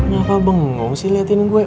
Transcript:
gak ada yang mau ngomong sih liatin gue